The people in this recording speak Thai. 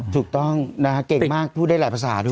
ถูกต้องนะฮะเก่งมากพูดได้หลายภาษาด้วย